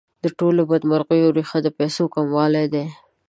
د ټولو بدمرغیو ریښه د پیسو کموالی دی.